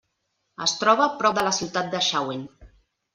Es troba prop de la ciutat de Xauen.